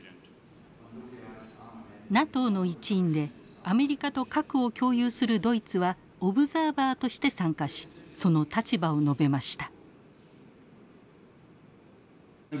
ＮＡＴＯの一員でアメリカと核を共有するドイツはオブザーバーとして参加しその立場を述べました。